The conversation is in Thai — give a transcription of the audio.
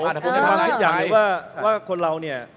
ความคิดอย่างนี้ว่าคนเราเนี่ย